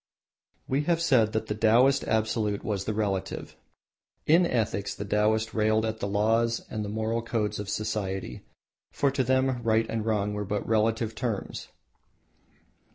We have said that the Taoist Absolute was the Relative. In ethics the Taoist railed at the laws and the moral codes of society, for to them right and wrong were but relative terms.